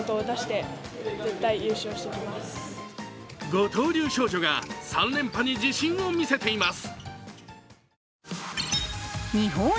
五刀流少女が３連覇に自信を見せています。